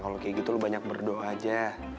kalau kayak gitu lu banyak berdoa aja